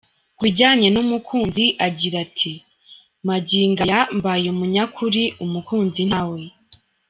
Ku bijyanye n’umukunzi agira ati “Magingo aya mbaye umunyakuri umukunzi ntawe.